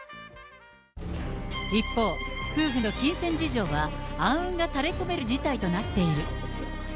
一方、夫婦の金銭事情は暗雲が垂れ込める事態となっている。